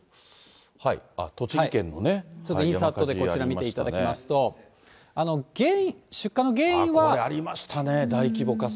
栃木県のね、ちょっとインサートで、こちら見ていただきますと、出火の原因は。これ、ありましたね、大規模火災。